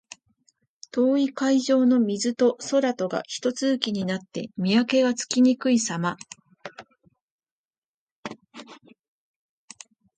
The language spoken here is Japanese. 遠い海上の水と空とがひと続きになって、見分けがつきにくいさま。